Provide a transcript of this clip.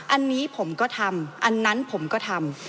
อันนี้ผมก็ทำอันนั้นผมก็ทำ